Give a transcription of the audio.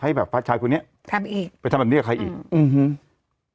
ให้แบบฟัดชายคนนี้ทำอีกไปทำแบบนี้กับใครอีกอือฮือ